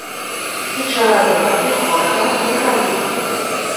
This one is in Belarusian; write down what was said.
І чалавека, і горада, і краіны.